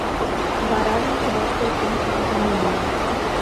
Варажым тидат полшен кертдыме лие.